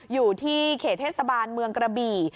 อยู่ที่เขตเทศบาลเมืองกระบี่